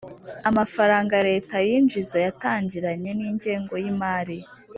amafaranga leta yinjiza yatangiranye n'ingengo y'imari